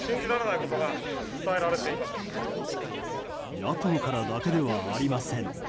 野党からだけではありません。